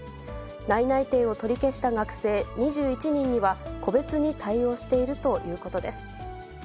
内々定を取り消した学生２１人には、個別に対応しているということです。